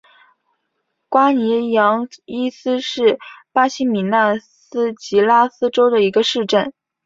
瓜尼扬伊斯是巴西米纳斯吉拉斯州的一个市镇。